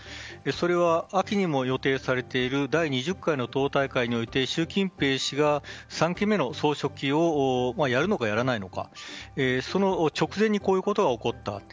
それは秋にも予定されている第２０回の党大会において習近平氏が３期目の総書記をやるのかやらないのかその直前にこういうことが起こった。